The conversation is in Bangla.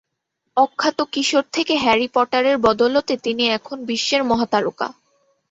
অখ্যাত কিশোর থেকে হ্যারি পটারের বদৌলতে তিনি এখন বিশ্বের মহা তারকা।